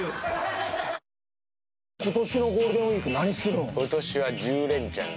今年のゴールデンウィーク何するん？